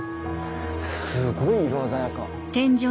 すごい色鮮やか。